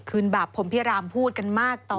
คืนบาปพรมพิรามพูดกันมากต่อมากไหน